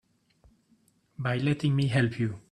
By letting me help you.